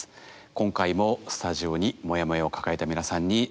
今回もスタジオにモヤモヤを抱えた皆さんに来ていただきました。